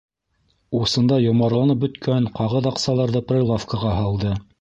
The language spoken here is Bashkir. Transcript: Усында йомарланып бөткән ҡағыҙ аҡсаларҙы прилавкаға һалды.